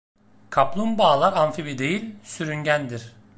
Kaplumbağalar amfibi değil, sürüngendir.